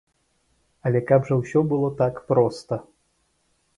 Але каб жа ўсё было так проста.